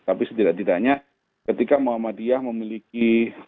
tapi setidak tidaknya ketika muhammadiyah memiliki